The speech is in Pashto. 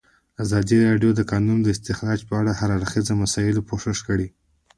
ازادي راډیو د د کانونو استخراج په اړه د هر اړخیزو مسایلو پوښښ کړی.